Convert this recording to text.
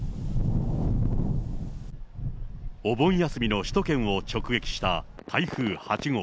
お盆休みの首都圏を直撃した台風８号。